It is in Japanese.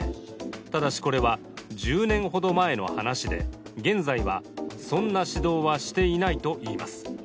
ただしこれは、１０年ほど前の話で現在は、そんな指導はしていないといいます。